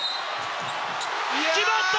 決まった！